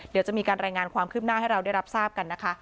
เดี๋ยวจะมีการรายงานความคืบหน้าให้เราได้รับทราบกันนะคะ